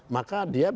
maka dia bisa